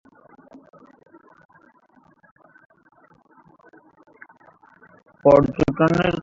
পর্যটনের কারণে এখানে নতুন বাজারের সৃষ্টি হয়েছে।